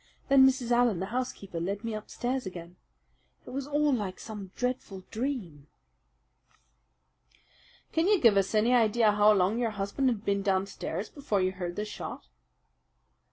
Then Mrs. Allen, the housekeeper, led me upstairs again. It was all like some dreadful dream." "Can you give us any idea how long your husband had been downstairs before you heard the shot?"